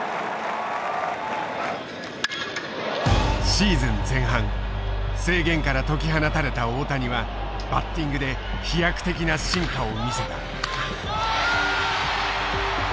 シーズン前半制限から解き放たれた大谷はバッティングで飛躍的な進化を見せた。